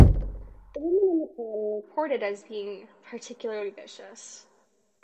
The women in the crowd were reported as being particularly vicious.